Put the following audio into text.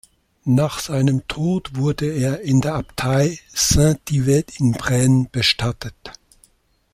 Nach seinem Tod wurde er in der Abtei Saint-Yved in Braine bestattet.